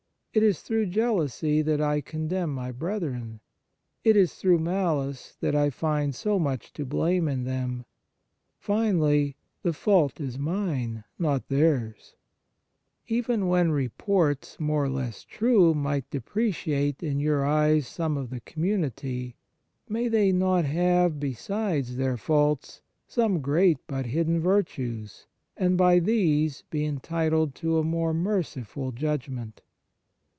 It is through jealousy that I condemn my brethren. It is through malice that I find so much to blame in them. Finally, the fault is mine, not theirs." 72 Eleventh Preservative Even when reports more or less true might depreciate in your eyes some of the community, may they not have, besides their faults, some great but hidden virtues, and by these be entitled to a more merciful judg ment